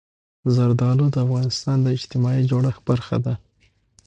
زردالو د افغانستان د اجتماعي جوړښت برخه ده.